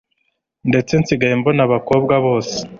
ndetse nsigaye mbona abakobwa bose